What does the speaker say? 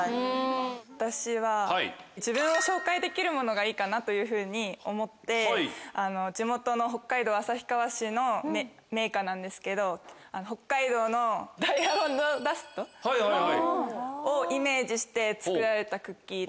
私は自分を紹介できるものがいいかなというふうに思って地元の北海道旭川市の銘菓なんですけど北海道のダイヤモンドダストをイメージして作られたクッキーで。